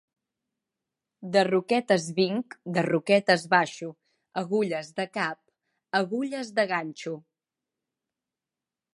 De Roquetes vinc, de Roquetes baixo, agulles de cap, agulles de ganxo.